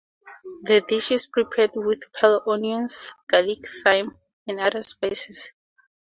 The dish is prepared with pearl onions, garlic, thyme, and other spices.